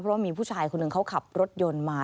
เพราะว่ามีผู้ชายคนหนึ่งเขาขับรถยนต์มา